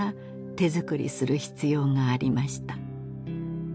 手作りする必要がありました